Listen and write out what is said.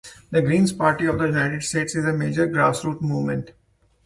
The Green Party of the United states is a major Grass roots movement.